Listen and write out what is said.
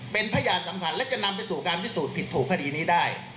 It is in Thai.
เป็นพยานสำคัญและจะนำไปสู่การพิสูจน์ผิดถูกคดีนี้ได้